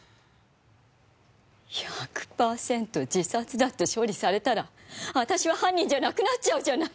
１００パーセント自殺だって処理されたら私は犯人じゃなくなっちゃうじゃない。